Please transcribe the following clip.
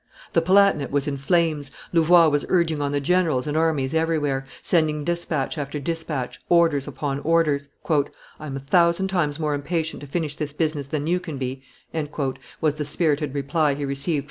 The Palatinate was in flames; Louvois was urging on the generals and armies everywhere, sending despatch after despatch, orders upon orders. "I am a thousand times more impatient to finish this business than you can be," was the spirited reply he received from M.